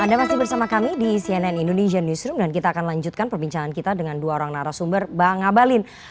anda masih bersama kami di cnn indonesia newsroom dan kita akan lanjutkan perbincangan kita dengan dua orang narasumber bang abalin